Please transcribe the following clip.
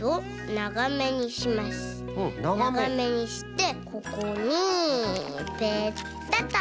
ながめにしてここにペタッと。